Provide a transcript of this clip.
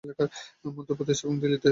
মধ্যপ্রদেশ এবং দিল্লিতে।